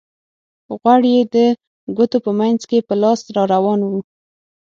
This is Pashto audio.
غوړ یې د ګوتو په منځ کې په لاس را روان وو.